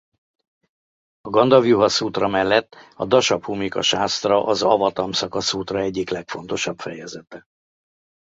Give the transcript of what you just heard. A Gandavjuha-szútra mellett a Dasabhúmika-sásztra az Avatamszaka-szútra egyik legfontosabb fejezete.